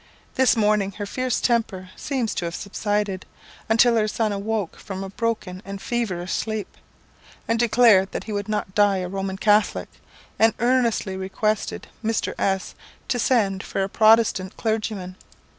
This morning her fierce temper seems to have subsided, until her son awoke from a broken and feverish sleep, and declared that he would not die a Roman Catholic, and earnestly requested Mr. S to send for a Protestant clergyman.